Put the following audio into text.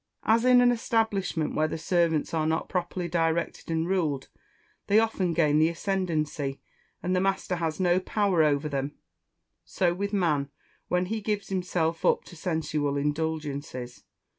As in an establishment where the servants are not properly directed and ruled, they often gain the ascendancy, and the master has no power over them, so with man, when he gives himself up to sensual indulgences.